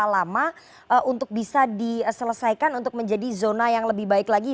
berapa lama untuk bisa diselesaikan untuk menjadi zona yang lebih baik lagi